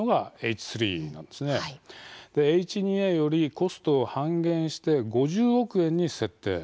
Ｈ２Ａよりコストを半減して５０億円に設定。